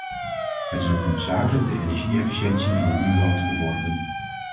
Het is ook noodzakelijk de energie-efficiëntie in de nieuwbouw te bevorderen.